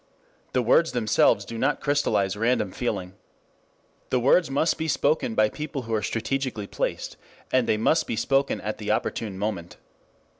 The words themselves do not crystallize random feeling. The words must be spoken by people who are strategically placed, and they must be spoken at the opportune moment.